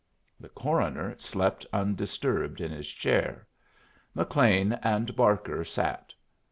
The coroner slept undisturbed in his chair. McLean and Barker sat.